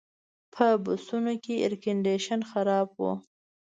په بسونو کې ایرکنډیشن خراب و.